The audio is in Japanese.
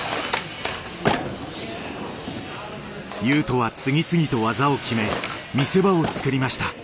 雄斗は次々と技を決め見せ場を作りました。